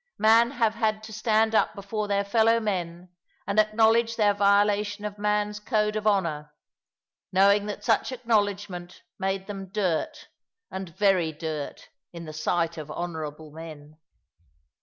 Men have had to stand up before their fellow men and acknowledge their violation of man's code of honour; knowing that such acknowledgment made them dirt, and very dirt, in the sight of honourable men.